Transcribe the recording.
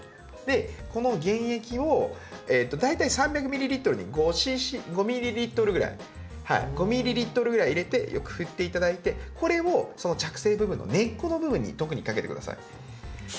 この原液を大体３００ｍＬに５ｍＬぐらい５ｍＬぐらい入れてよく振っていただいてこれをその着生部分の根っこの部分に特にかけてください。